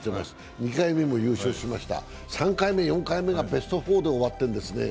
２回目も優勝しました、３回目、４回目がベスト４で終わってるんですね。